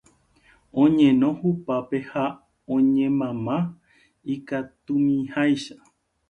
Oñeno hupápe ha oñemama ikatumiháicha